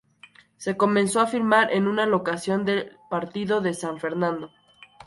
Se comenzó a filmar en una locación del partido de San Fernando.